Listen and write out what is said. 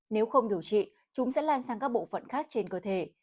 nếu không điều trị chúng sẽ lan sang các bộ phận khác trên cơ thể